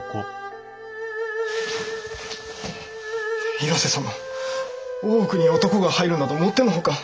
岩瀬様大奥に男が入るなどもっての外。